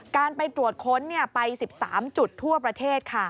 การไปตรวจค้นไป๑๓จุดทั่วประเทศค่ะ